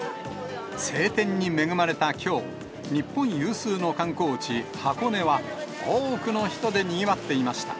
晴天に恵まれたきょう、日本有数の観光地、箱根は、多くの人でにぎわっていました。